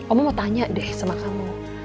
om mau tanya deh sama kamu